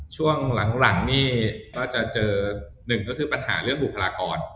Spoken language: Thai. ช่วงหลังนี่ก็จะเจอหนึ่งก็คือปัญหาเรื่องบุคลากร